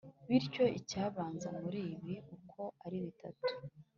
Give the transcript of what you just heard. Bityo icyabanza muri ibi uko ari bitatu